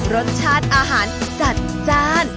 รสชาติอาหารจัดจ้าน